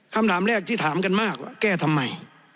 คำถามแรกที่ถามกันมากว่าแก้ทำไม